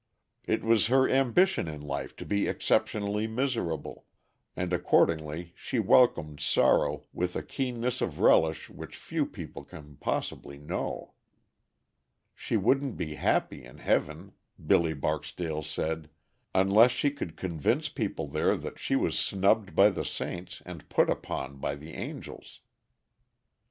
It was her ambition in life to be exceptionally miserable, and accordingly she welcomed sorrow with a keenness of relish which few people can possibly know. She wouldn't be happy in heaven, Billy Barksdale said, unless she could convince people there that she was snubbed by the saints and put upon by the angels.